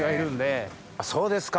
そうですか。